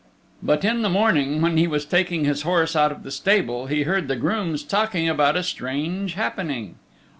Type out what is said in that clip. But in the morning, when he was taking his horse out of the stable, he heard the grooms talking about a strange happening.